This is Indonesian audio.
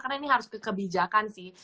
karena ini harus kekebijakan sih